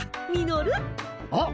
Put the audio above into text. あっ！